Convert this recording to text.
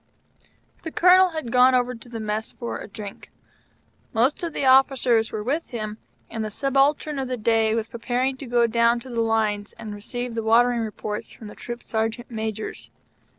The Colonel had gone over to the Mess for a drink. Most of the officers were with him, and the Subaltern of the Day was preparing to go down to the lines, and receive the watering reports from the Troop Sergeant Majors.